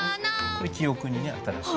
これ記憶にね新しい。